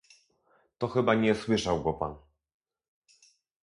"to chyba nie słyszał go pan."